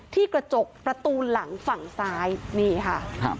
ที่กระจกประตูหลังฝั่งซ้ายนี่ค่ะครับ